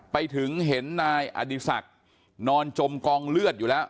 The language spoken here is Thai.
ไปถึงเห็นนายอดีศักดิ์นอนจมกองเลือดอยู่แล้ว